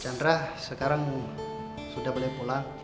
chandra sekarang sudah boleh pulang